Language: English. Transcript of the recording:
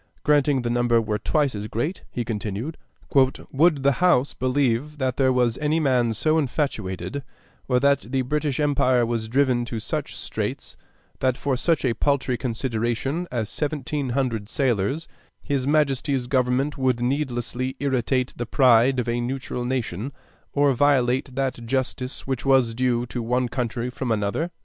Granting the number were twice as great, he continued, "would the House believe that there was any man so infatuated, or that the British empire was driven to such straits that for such a paltry consideration as seventeen hundred sailors, his Majesty's government would needlessly irritate the pride of a neutral nation or violate that justice which was due to one country from another?"